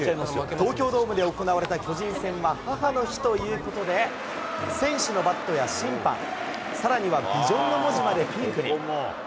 東京ドームで行われた巨人戦は、母の日ということで、選手のバットや審判、さらにはビジョンの文字までピンクに。